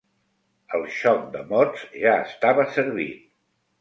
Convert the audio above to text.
El xoc de mots ja estava servit.